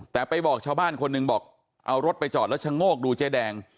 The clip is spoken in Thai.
แต่ไปบอกชาวบ้านคนหนึ่งบอกเอารถไปจอดแล้วชะโงกดูเจ๊แดง